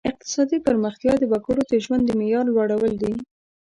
اقتصادي پرمختیا د وګړو د ژوند د معیار لوړول دي.